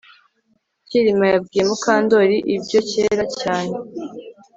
Kirima yabwiye Mukandoli ibyo kera cyane